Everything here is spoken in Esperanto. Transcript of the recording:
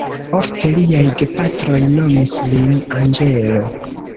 Ofte liaj gepatroj nomis lin anĝelo.